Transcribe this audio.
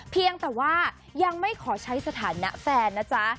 เพียงแต่ว่ายังไม่ขอใช้สถานะแฟนนะจ๊ะ